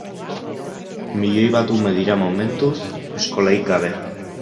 Milioi bat ume dira, momentuz, eskolarik gabe.